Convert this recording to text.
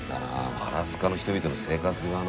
アラスカの人々の生活がな。